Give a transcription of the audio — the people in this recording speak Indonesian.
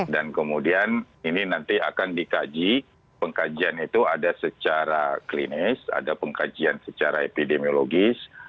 dan kemudian ini nanti akan dikaji pengkajian itu ada secara klinis ada pengkajian secara epidemiologis